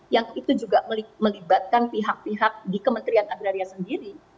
yang itu juga melibatkan pihak pihak di kementerian agraria sendiri